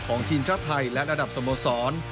ของทีมชาติไทยและระดับสโมสร